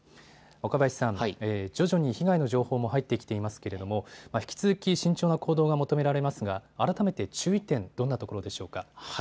若林さん、徐々に被害の情報も入ってきていますけれども、引き続き慎重な行動が求められますが改めて注意点、どんなところでしょうか。